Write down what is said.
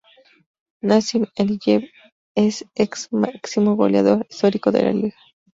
Nazim Aliyev es ek máximo goleador histórico de la liga.